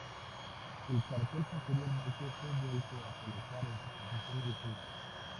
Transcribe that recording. El cartel posteriormente fue vuelto a colocar en su posición original.